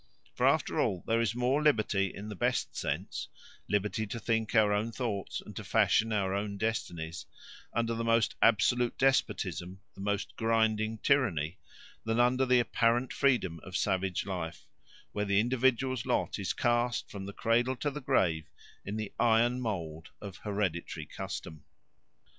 For after all there is more liberty in the best sense liberty to think our own thoughts and to fashion our own destinies under the most absolute despotism, the most grinding tyranny, than under the apparent freedom of savage life, where the individual's lot is cast from the cradle to the grave in the iron mould of hereditary custom.